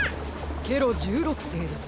ケロ１６世です。